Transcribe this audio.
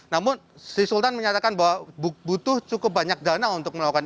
namun sri sultan menyatakan bahwa butuh cukup banyak dana untuk melakukan